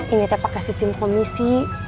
ini teh pake sistem komisi